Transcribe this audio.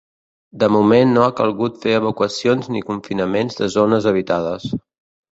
De moment no ha calgut fer evacuacions ni confinaments de zones habitades.